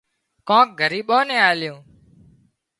ڪانڪ ڳريٻان نين آليون